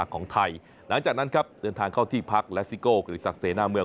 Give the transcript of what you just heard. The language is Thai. ของไทยหลังจากนั้นครับเดินทางเข้าที่พักและซิโก้กิริสักเสนาเมือง